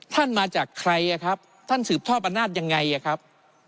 ท่านมาจากใครครับท่านสืบท่อประนาจยังไงครับ